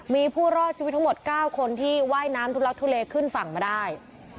มีผู้รอดชีวิตทั้งหมด๙คนที่ว่ายน้ำทุลักทุเลขึ้นฝั่งมาได้